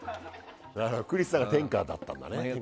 クリスさんが天下だったんだね。